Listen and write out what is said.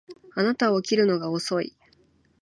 あなたは起きるのが遅い